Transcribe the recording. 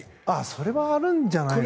それはあるんじゃないですか。